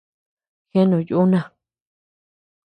Jeanu yuna.